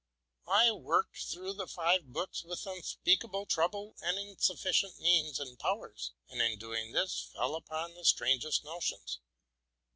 I worked through the five books with unspeakable trouble and insufficient means and powers, and in doing this fell upon the strangest notions.